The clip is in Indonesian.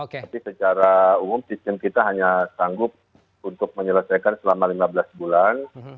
tapi secara umum sistem kita hanya sanggup untuk menyelesaikan selama lima belas bulan